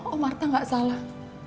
om arta gak salah